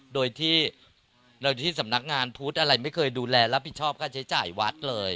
โดยที่โดยที่สำนักงานพุทธอะไรไม่เคยดูแลรับผิดชอบค่าใช้จ่ายวัดเลย